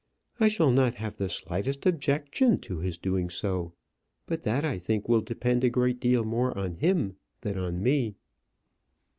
"I shall not have the slightest objection to his doing so; but that, I think, will depend a great deal more on him than on me."